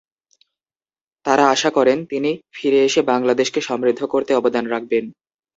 তাঁরা আশা করেন, তিনি ফিরে এসে বাংলাদেশকে সমৃদ্ধ করতে অবদান রাখবেন।